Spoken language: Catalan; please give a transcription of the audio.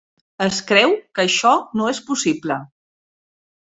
Es creu que això no és possible.